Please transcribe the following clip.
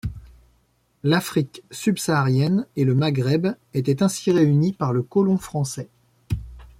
L'Afrique subsaharienne et le Maghreb étaient ainsi réunis par le colon français.